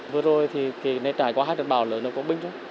vừa rồi thì cái nền trại có hai trận bão lớn nó có binh chứ